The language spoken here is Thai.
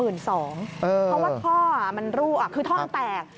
เพราะว่าท่อมันรั่วคือท่องแตก